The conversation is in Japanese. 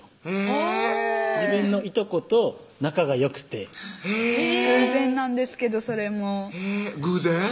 へぇ自分のいとこと仲がよくて偶然なんですけどそれも偶然？